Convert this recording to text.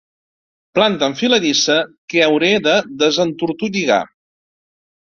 Planta enfiladissa que hauré de desentortolligar.